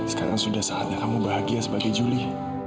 sekarang sudah saatnya kamu bahagia sebagai juli